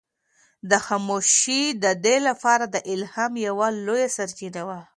دا خاموشي د ده لپاره د الهام یوه لویه سرچینه وه.